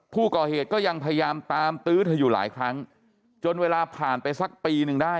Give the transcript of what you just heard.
ผู้ก่อเหตุก็ยังพยายามตามตื้อเธออยู่หลายครั้งจนเวลาผ่านไปสักปีหนึ่งได้